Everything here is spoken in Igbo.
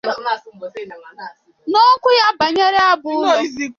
n'okwu ya banyere ya bụ ụlọ.